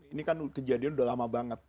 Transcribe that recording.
ini kan kejadian udah lama banget